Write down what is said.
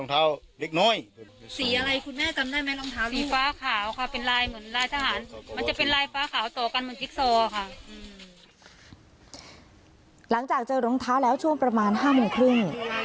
หลังจากเจอรองเท้าแล้วก็ช่วงประมาณ๕๓๐น